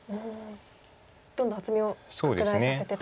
どんどん厚みを拡大させてと。